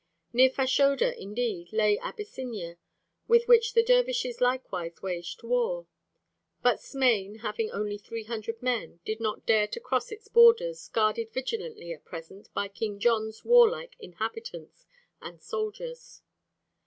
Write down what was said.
Near Fashoda, indeed, lay Abyssinia, with which the dervishes likewise waged war. But Smain having only three hundred men did not dare to cross its borders, guarded vigilantly, at present, by King John's warlike inhabitants and soldiers.